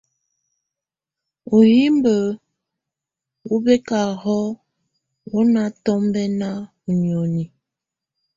Uhimbǝ́ wɔ́ bɛ́káhɔ wɔ́ ná tɔmbɛ́na ú nìóni.